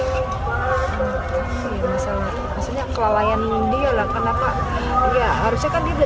hai memang tiana masalah makanya kelelain gerdings meio lah karena pak ya harusnya karena